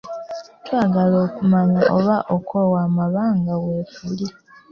Twagala okumanya oba okwewa amabanga weekuli.